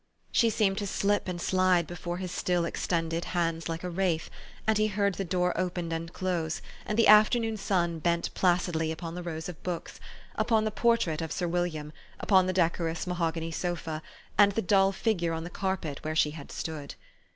She seemed to slip and slide before his still ex tended hands like a wraith, and he heard the door open and close, and the afternoon sun bent pla cidly upon the rows of books, upon the portrait of Sir William, upon the decorous mahogany sofa, and the dull figure on the carpet where she had stood.